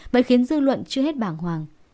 vẫn khiến dư luận chưa hết bàng hoàng